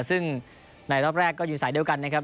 ซึ่งในรอบแรกก็อยู่สายเดียวกันนะครับ